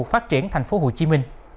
phát triển tp hcm